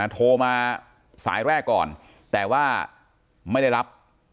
โทรมาสายแรกก่อนแต่ว่าไม่ได้รับ